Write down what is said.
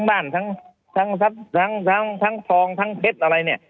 ได้ทั้งรถทั้งบ้านทั้งซองทั้งเท็จอะไร